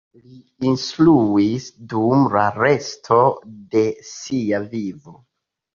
Li instruis dum la resto de sia vivo.